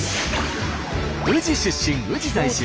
宇治出身宇治在住。